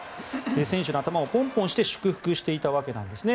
選手の頭をポンポンして祝福していたんですね。